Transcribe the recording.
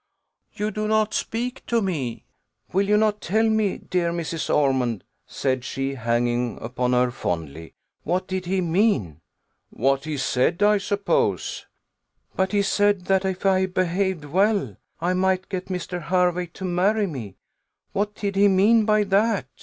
"You do not speak to me! Will you not tell me, dear Mrs. Ormond," said she, hanging upon her fondly, "what did he mean?" "What he said, I suppose." "But he said, that if I behaved well, I might get Mr. Hervey to marry me. What did he mean by that?"